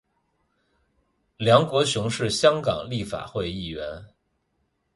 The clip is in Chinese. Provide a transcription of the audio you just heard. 梁国雄是香港立法会议员。